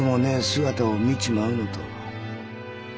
姿を見ちまうのと。